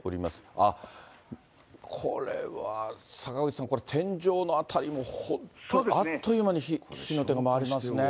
あっ、これは坂口さん、これ、天井の辺りも本当、あっという間に火の手が回りますね。